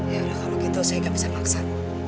yaudah kalau gitu saya gak bisa maksa